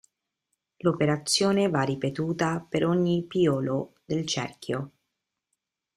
L'operazione va ripetuta per ogni piolo del cerchio.